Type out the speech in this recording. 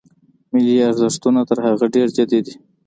ملي ارزښتونه تر هغه ډېر جدي دي.